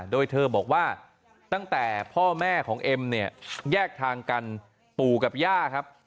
โดยเธอบอกว่าตั้งแต่พ่อแม่ของเอ็มเนี่ยแยกทางกันปู่กับย่าครับ